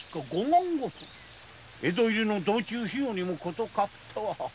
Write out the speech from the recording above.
江戸入りの道中費用にも事欠くとは。